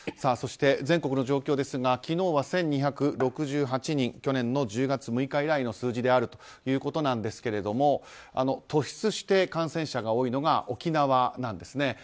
そして、全国の状況ですが昨日は１２６８人去年の１０月６日以来の数字であるということなんですが突出して感染者が多いのが沖縄なんですね。